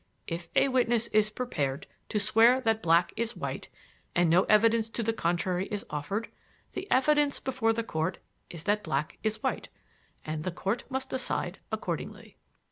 If a witness is prepared to swear that black is white and no evidence to the contrary is offered, the evidence before the Court is that black is white, and the Court must decide accordingly.